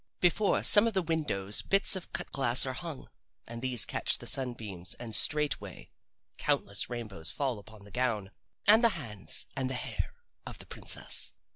Before some of the windows bits of cut glass are hung, and these catch the sunbeams and straightway countless rainbows fall upon the gown and the hands and the hair of the princess.